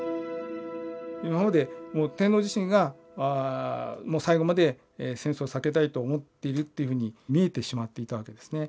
今までもう天皇自身が最後まで戦争を避けたいと思っているっていうふうに見えてしまっていたわけですね。